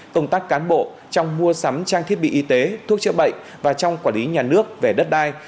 công tác cán bộ trong mua sắm trang thiết bị y tế thuốc chữa bệnh và trong quản lý nhà nước về đất đai